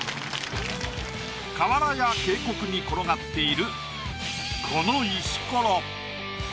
河原や渓谷に転がっているこの石ころ。